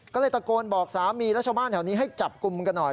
ก็เลยตะโกนบอกสามีและชาวบ้านแถวนี้ให้จับกลุ่มกันหน่อย